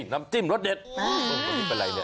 เอ้ยน้ำจิ้มลวดเด็ดอุ๊ยกูดิบเป็นอะไรเนี่ย